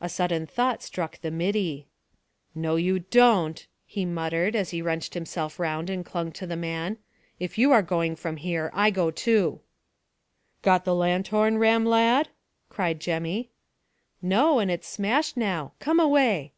A sudden thought struck the middy. "No, you don't," he muttered, as he wrenched himself round and clung to the man. "If you are going from here, I go too." "Got the lanthorn, Ram, lad?" cried Jemmy. "No; and it's smashed now. Come away."